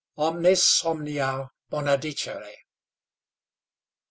"OMNES OMNIA BONA DICERE."